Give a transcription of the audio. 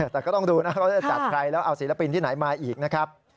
แต่ก็ต้องดูนะเขาจะจัดใครแล้วเอาศิลปินที่ไหนมาอีกนะครับ